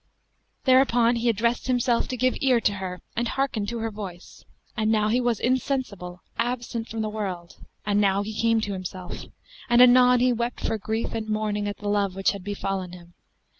Thereupon he addressed himself to give ear to her and hearken to her voice; and now he was insensible, absent from the world, and now he came to himself; and anon he wept for grief and mourning at the love which had befallen him.